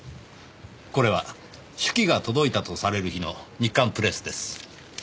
これは手記が届いたとされる日の『日刊プレス』です。